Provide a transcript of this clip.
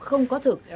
không có thực